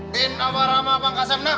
bin abarama bangkasemnak